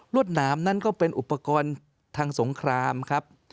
วดหนามนั้นก็เป็นอุปกรณ์ทางสงครามครับ